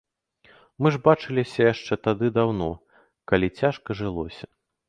Мы ж бачыліся яшчэ тады даўно, калі цяжка жылося.